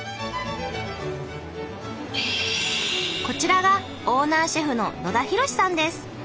こちらがオーナーシェフの野田浩資さんです。